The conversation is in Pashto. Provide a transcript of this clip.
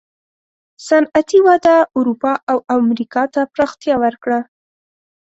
صنعتي وده اروپا او امریکا ته پراختیا وکړه.